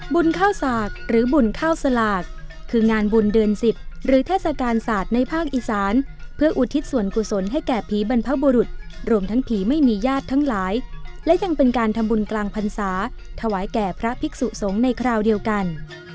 บุญข้าวสากหรือบุญข้าวสลากคืองานบุญเดือน๑๐หรือเทศกาลศาสตร์ในภาคอีสานเพื่ออุทิศส่วนกุศลให้แก่ผีบรรพบุรุษรวมทั้งผีไม่มีญาติทั้งหลายและยังเป็นการทำบุญกลางพรรษาถวายแก่พระภิกษุสงฆ์ในคราวเดียวกัน